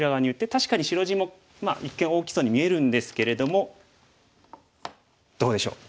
確かに白地も一見大きそうに見えるんですけれどもどうでしょう？